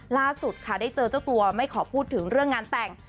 ล่าสุดค่ะได้เจอเจ้าตัวไม่ขอพูดถึงเรื่องงานแต่ง